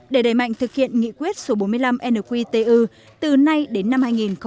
để đẩy mạnh thực hiện nghị quyết số bốn mươi năm nqtu từ nay đến năm hai nghìn hai mươi